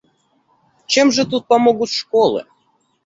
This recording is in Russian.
Чем же тут помогут школы?